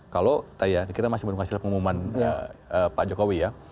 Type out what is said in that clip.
kalau kita masih belum menghasilkan pengumuman pak jokowi ya